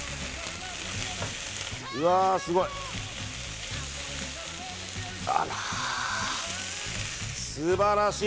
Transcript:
うわあ、すごい！素晴らしい！